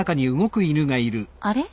あれ？